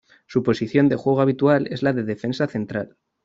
Su posición de juego habitual es la de defensa central.